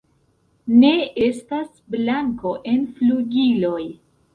Ne estas blanko en flugiloj.